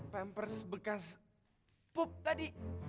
pempers bekas pup tadi